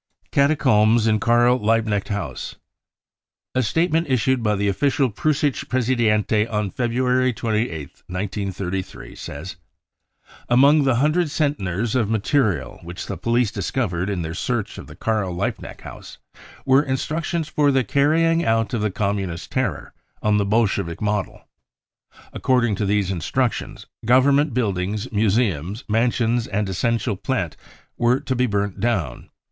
Catacombs in Karl Liebknecht House. A statement issued by the official Preussische Pressedienst on February 2:8th, 1933, says : THE REAL INCENDIARIES 99 " Among the hundred centners of material which the police discovered in their search of the Karl Liebknecht House were instructions for the carrying out of the Com , munist terror on the Bolshevik model. According to these <* instructions government buildings, museums, mansions | and essential plant were to be burnt down.